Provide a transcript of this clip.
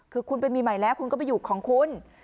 คือคุณไปมีใหม่แล้วคุณก็ไปอยู่ของคุณ